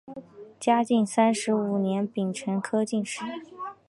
嘉靖三十五年丙辰科进士。